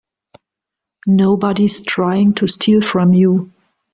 Nobody's trying to steal from you.